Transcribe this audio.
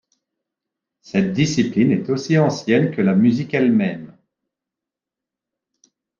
Cette discipline est aussi ancienne que la musique elle-même.